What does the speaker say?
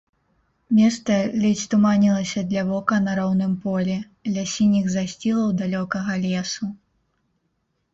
Места ледзь туманілася для вока на роўным полі, ля сініх засцілаў далёкага лесу.